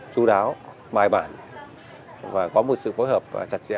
chú đáo bài bản và có một sự phối hợp chặt chẽ